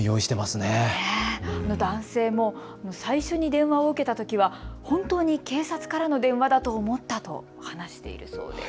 男性も最初に電話を受けたときは本当に警察からの電話だと思ったと話しているそうです。